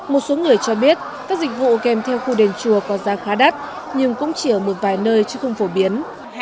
một số người cho biết các dịch vụ kèm theo khu đền chùa có giá khá đắt nhưng cũng chỉ ở một vài nơi chứ không phổ biến